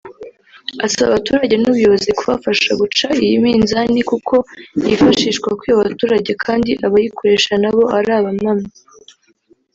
Asaba abaturage n’ubuyobozi kubafasha guca iyi minzani kuko yifashishwa kwiba abaturage kandi abayikoresha nabo ari abamamyi